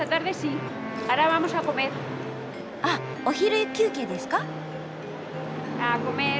あっお昼休憩ですか？